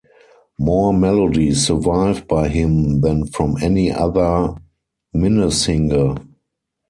More melodies survive by him than from any other minnesinger.